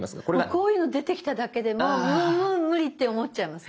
こういうの出てきただけでもうもうもう無理って思っちゃいますね。